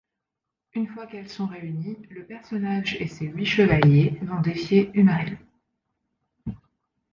Une fois qu'elles sont réunies, le personnage et ses huit chevaliers vont défier Umaril.